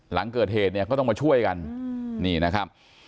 หลังเกิดเหตุเนี่ยก็ต้องมาช่วยกันนี่นะครับ